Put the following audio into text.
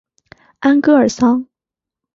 安戈尔桑。